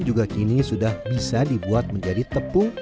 juga kini sudah bisa dibuat menjadi tepung